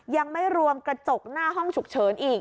ยังไม่รวมกระจกหน้าห้องฉุกเฉินอีก